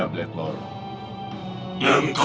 apa kan itu dimitri